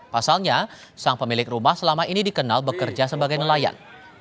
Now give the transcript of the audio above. pasalnya sang pemilik rumah selama ini dikenal bekerja sebagai nelayan